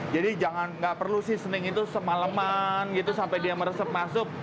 jadi jangan nggak perlu seasoning itu semaleman gitu sampai dia meresap masuk